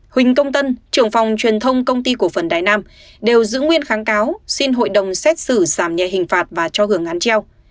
huỳnh công tân trưởng phòng truyền thông công ty cổ phần đài nam đều giữ nguyên kháng cáo xin hội đồng xét xử giảm nhẹ hình phạt và cho hưởng án treo